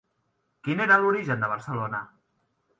Quin era l'origen de Barcelona?